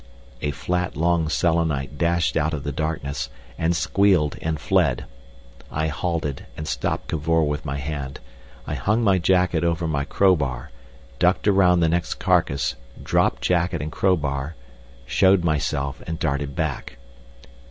A flat, long Selenite dashed out of the darkness, and squealed and fled. I halted, and stopped Cavor with my hand. I hung my jacket over my crowbar, ducked round the next carcass, dropped jacket and crowbar, showed myself, and darted back.